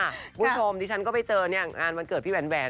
คุณผู้ชมที่ฉันก็ไปเจองานวันเกิดพี่แวน